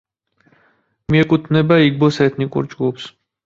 მიეკუთვნება იგბოს ეთნიკურ ჯგუფს.